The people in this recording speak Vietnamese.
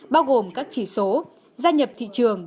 bao gồm các chỉ số gia nhập thị trường